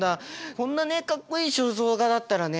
こんなねかっこいい肖像画だったらね